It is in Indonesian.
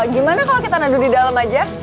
gimana kalau kita nondod di dalam